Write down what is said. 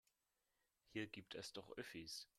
Hier gibt es doch Öffis.